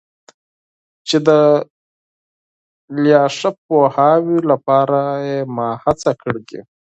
چي د لا ښه پوهاوي لپاره یې ما هڅه کړي.